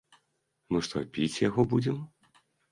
Мы што, піць яго будзем?!